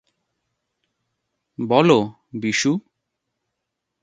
বলো, বিশু!